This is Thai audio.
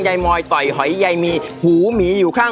ดูท่าทีที่ทีมนู้นกัน